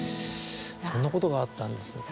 そんなことがあったんですね。